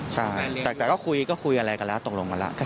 ใช่แต่ก็คุยก็คุยอะไรกันแล้วตกลงกันแล้ว